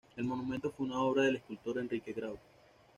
El monumento fue una obra del escultor Enrique Grau.